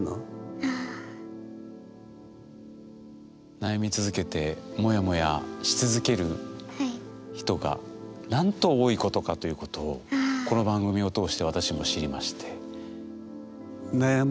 悩み続けてモヤモヤし続ける人がなんと多いことかということをこの番組を通して私も知りまして。